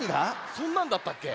そんなんだったっけ？